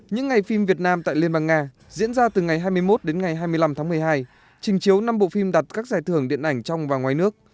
những ngày phim việt nam tại liên bang nga diễn ra từ ngày hai mươi một đến ngày hai mươi năm tháng một mươi hai trình chiếu năm bộ phim đặt các giải thưởng điện ảnh trong và ngoài nước